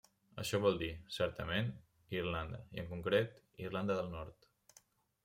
Això vol dir, certament, Irlanda i, en concret, Irlanda del Nord.